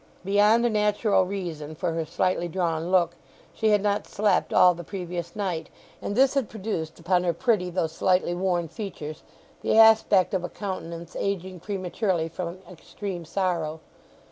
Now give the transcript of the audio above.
Beyond a natural reason for her slightly drawn look, she had not slept all the previous night, and this had produced upon her pretty though slightly worn features the aspect of a countenance ageing prematurely from extreme sorrow.